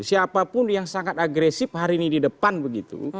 siapapun yang sangat agresif hari ini di depan begitu